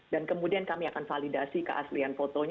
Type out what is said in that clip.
dan kemudian kami akan validasi keaslian foto